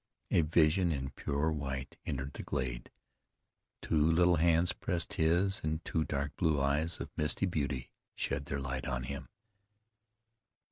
A vision in pure white entered the glade; two little hands pressed his, and two dark blue eyes of misty beauty shed their light on him.